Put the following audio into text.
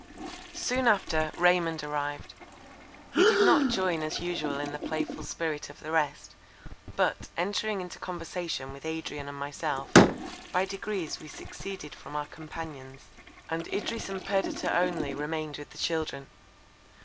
Soon after, Raymond arrived. He did not join as usual in the playful spirit of the rest; but, entering into conversation with Adrian and myself, by degrees we seceded from our companions, and Idris and Perdita only remained with the children.